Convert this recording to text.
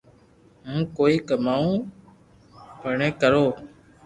ھون ڪوئي ڪماوُ پئري ڪرو